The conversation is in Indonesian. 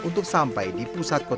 untuk sampai di pusat kota